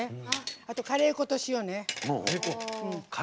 あと、カレー粉と塩ね。